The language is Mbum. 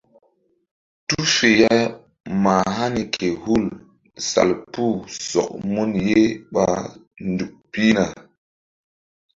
Tu fe ya ma hani ke hul salpu sɔk mun ye ɓa nzuk pihna.